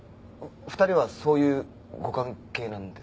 ２人はそういうご関係なんですか？